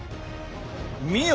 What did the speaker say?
見よ